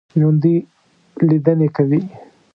ژوندي لیدنې کوي